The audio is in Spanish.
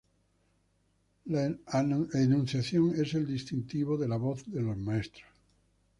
La enunciación es el distintivo de la voz de los maestros.